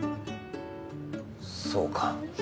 そうか。